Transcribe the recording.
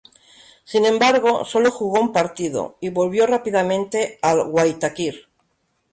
Sin embargo, solo jugó un partido y volvió rápidamente al Waitakere.